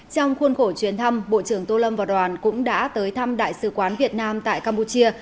trong khuôn khổ chuyến thăm bộ trưởng tô lâm và đoàn cũng đã tới thăm đại sứ quán việt nam tại campuchia